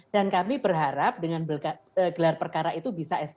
dan kami berharap dengan gelar perkara itu bisa sp tiga